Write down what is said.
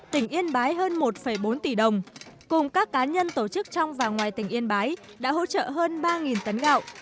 tỉnh yên bái hơn một bốn tỷ đồng cùng các cá nhân tổ chức trong và ngoài tỉnh yên bái đã hỗ trợ hơn ba tấn gạo